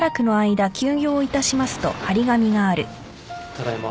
ただいま。